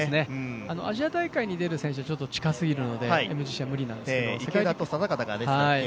アジア大会に出る選手は近すぎるのでＭＧＣは無理なんですけど。